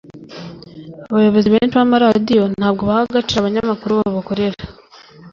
Abayobozi benshi b’amaradiyo ntabwo baha agaciro abanyamukuru babakorera